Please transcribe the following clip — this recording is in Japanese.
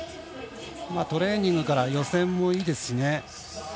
トレーニングから予選もいいですしね。